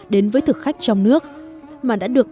đến với thực khách trong nước mà đã được